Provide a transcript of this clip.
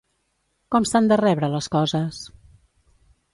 Com s'han de rebre les coses?